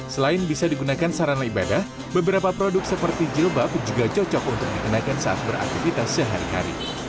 selain bisa digunakan sarana ibadah beberapa produk seperti jilbab juga cocok untuk dikenakan saat beraktivitas sehari hari